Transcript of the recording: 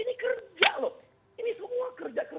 ini semua kerja kerja